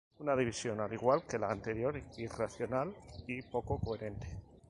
Una división, al igual que la anterior, irracional y poco coherente.